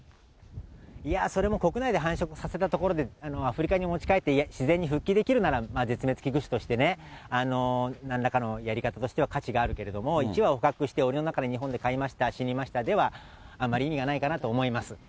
それも国内で繁殖させたところで、アフリカに持ち帰って自然に復帰できるなら、絶滅危惧種としてね、なんらかのやり方としては価値があるけれども、１羽を捕獲して、おりの中で日本で飼いました、死にました、では、あまり意味がないかなと思います。